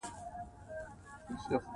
متني نقد له ادبي نقده بېل دﺉ.